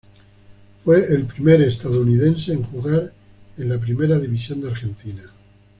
Fue el primer estadounidense en jugar en la Primera División de Argentina.